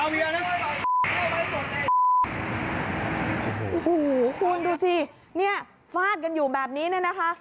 โอ้โหคุณดูสิเนี่ยฟาดกันอยู่แบบนี้เนี่ยนะคะ